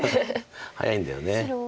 早いんだよね。